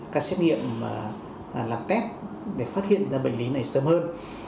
các xét nghiệm làm test để phát hiện ra bệnh lý này sớm hơn